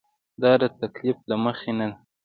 دا د تکلف له مخې نه ده.